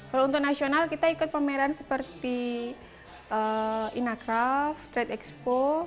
kalau untuk nasional kita ikut pameran seperti inacraft trade expo